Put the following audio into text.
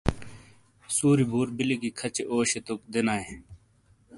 سُوری بُور بلی گی کھچے اوشیے توک دینائیے۔